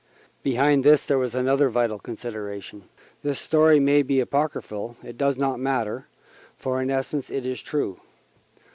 Behind this there was another vital consideration. This story may be apocryphal it does not matter, for in essence it is true.